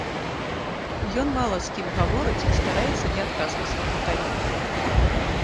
Ён мала з кім гаворыць, стараецца не адказваць на пытанні.